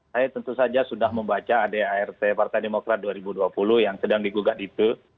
saya tentu saja sudah membaca adart partai demokrat dua ribu dua puluh yang sedang digugat itu